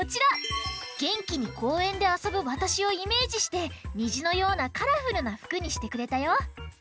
げんきにこうえんであそぶわたしをイメージしてにじのようなカラフルなふくにしてくれたよ！